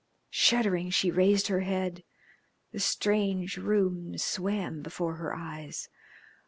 Shuddering, she raised her head. The strange room swam before her eyes.